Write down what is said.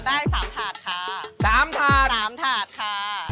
ได้๓ถาดค่ะสามถาดค่ะสามถาดค่ะ